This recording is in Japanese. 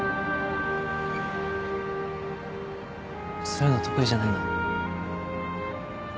そういうの得意じゃないんだ。